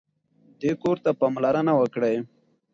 دې کور ته پاملرنه وکړئ.